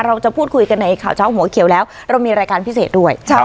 เราจะพูดคุยกันในข่าวเช้าหัวเขียวแล้วเรามีรายการพิเศษด้วย